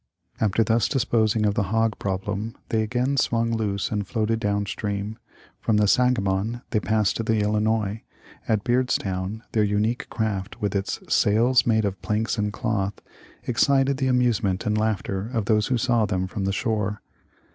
After thus disposing of the hog problem they again swung loose and floated down stream. From the Sangamon they passed to the Illinois. At Beardstown their unique craft, with its " sails made of planks and cloth," excited the amusement and laughter of those who saw them from the shore.